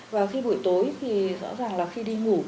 và khi buổi tối thì rõ ràng là khi đi ngủ